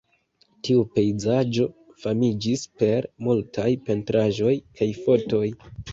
Tiu pejzaĝo famiĝis per multaj pentraĵoj kaj fotoj.